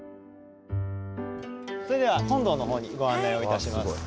それでは本堂の方にご案内を致します。